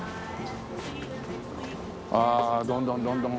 ああどんどんどんどん。